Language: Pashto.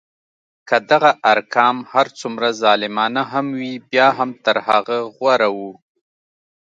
که دغه ارقام هر څومره ظالمانه هم وي بیا هم تر هغه غوره وو.